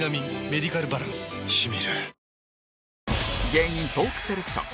芸人トーークセレクション